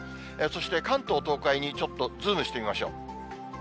そして関東、東海にちょっとズームしてみましょう。